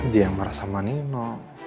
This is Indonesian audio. dia yang marah sama nino